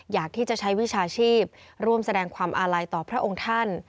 อยากที่จะใช้วิชาชีพร่วมแสดงความอาลัยต่อพระองค์ท่าน